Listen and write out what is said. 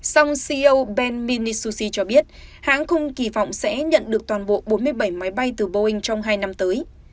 song ceo ben minisushi cho biết hãng không kỳ vọng sẽ nhận được toàn bộ bốn mươi bảy máy bay từ boeing trong hai năm tới